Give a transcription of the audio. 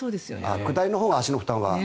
下りのほうが足の負担は。